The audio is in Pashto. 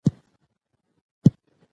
د ښه ذوق خاوندان تل د مانا په لټه کې وي.